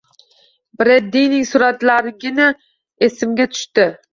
Breddining suratlarigina esimga tushdi.